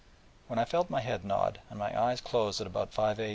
When I felt my head nod, and my eyes close about 5 A.